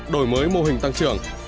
đổi mới mô hình tăng trưởng